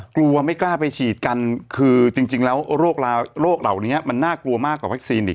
กลัวไม่กล้าไปฉีดกันคือจริงแล้วโรคเหล่านี้มันน่ากลัวมากกว่าวัคซีนอีก